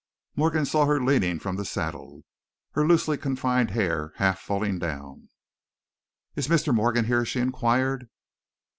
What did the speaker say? Morgan saw her leaning from the saddle, her loosely confined hair half falling down. "Is Mr. Morgan here?" she inquired.